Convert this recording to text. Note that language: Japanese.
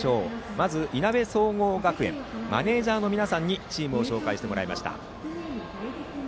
まず、いなべ総合学園のマネージャーの皆さんにチームを紹介してもらいました。